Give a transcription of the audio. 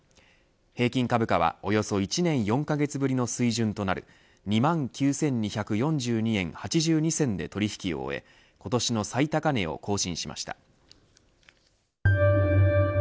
平均株価はおよそ１年４カ月ぶりの水準となる２万９２４２円８２銭で取り引きを終え今年の最高値を更新しました。